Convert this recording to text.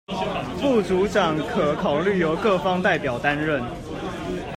副組長可考慮由各方代表擔任